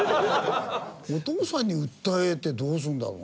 お父さんに訴えてどうするんだろうね？